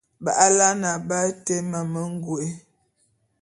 B’alaene aba été mamə ngôé.